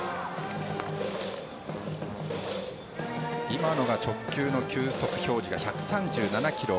今のが直球の球速表示が１３７キロ。